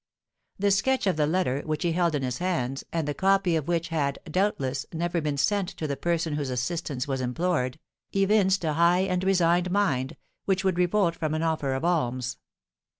The sketch of the letter which he held in his hands, and the copy of which had, doubtless, never been sent to the person whose assistance was implored, evinced a high and resigned mind, which would revolt from an offer of alms.